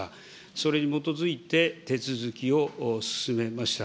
それに基づいて、手続きを進めました。